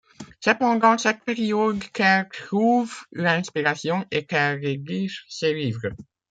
C'est pendant cette période qu'elle trouve l'inspiration et qu'elle rédige ses livres.